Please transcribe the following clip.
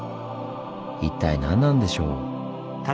一体何なんでしょう？